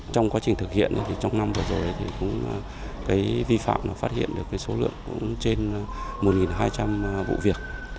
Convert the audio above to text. trong quá trình thực hiện trong năm vừa rồi vi phạm đã phát hiện được số lượng trên một hai trăm linh vụ việc